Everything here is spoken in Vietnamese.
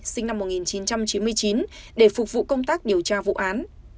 sinh năm một nghìn chín trăm chín mươi chín để phục vụ công tác điều tra vụ án